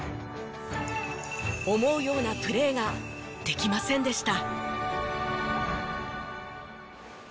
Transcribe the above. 思うようなプレーができませんでした。